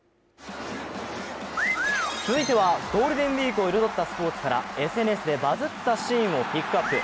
続いてはゴールデンウイークを彩ったスポ−ツからＳＮＳでバズったシーンをピックアップ。